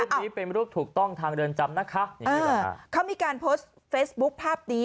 นี้เป็นรูปถูกต้องทางเรือนจำนะคะนี่นะคะเขามีการโพสต์เฟซบุ๊คภาพนี้